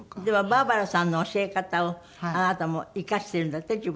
でもバーバラさんの教え方をあなたも生かしてるんだって？